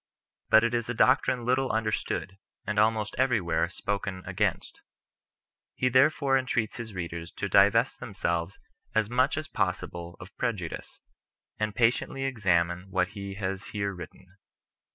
But it is a doctrine little understood, and almost everywhere spoken against. He therefore entreats his readers to divest themselves as much as possible of pre judice, and patiently examine what he has here written.